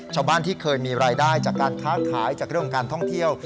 ชาวบ้านที่เคยมีรายได้จากการค้าขายจากเรื่องการท่องเที่ยว